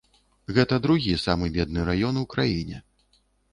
Гэта другі самы бедны раён у краіне.